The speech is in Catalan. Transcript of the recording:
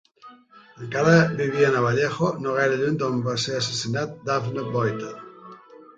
Encara vivien a Vallejo, no gaire lluny d'on va ser assassinat Daphne Boyden.